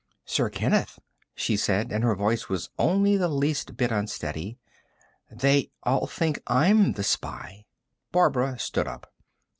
"Sir Kenneth," she said and her voice was only the least bit unsteady "they all think I'm the spy." Barbara stood up.